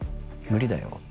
「無理だよ」